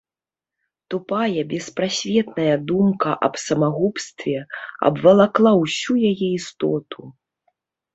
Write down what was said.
Тупая беспрасветная думка аб самагубстве абвалакла ўсю яе істоту.